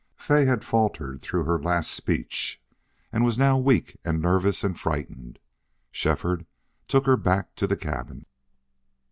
Fay had faltered through her last speech and was now weak and nervous and frightened. Shefford took her back to the cabin.